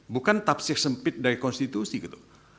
bukan tafsir sempit dari konstitusi gitu